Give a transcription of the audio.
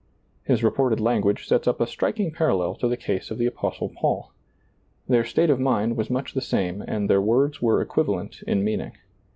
His reported language sets up a striking parallel to the case of the Apostle Paul. Their state of mind was much the same and their words were equivalent in meaning.